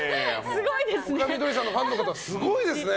丘みどりさんのファンの方すごいですね。